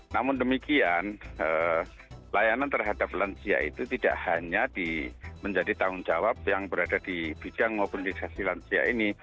namun demikian layanan terhadap lansia itu tidak hanya menjadi tanggung jawab yang berada di bidang mobilisasi lansia ini